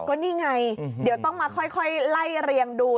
ก็นี่ไงเดี๋ยวต้องมาค่อยไล่เรียงดู